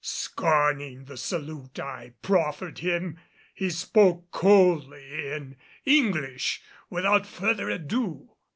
Scorning the salute I proffered him, he spoke coldly, in English, without further ado.